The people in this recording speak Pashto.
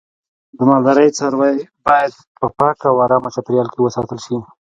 د مالدارۍ څاروی باید په پاکه او آرامه چاپیریال کې وساتل شي.